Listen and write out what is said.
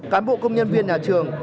cán bộ công nhân viên nhà trường